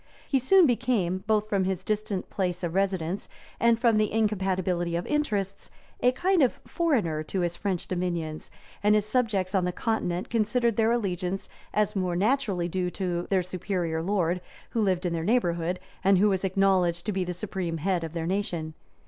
He soon became, both from his distant place of residence and from the incompatibility of interests, a kind of foreigner to his French dominions; and his subjects on the continent considered their allegiance as more naturally due to their superior lord, who lived in their neighborhood, and who was acknowledged to be the supreme head of their nation.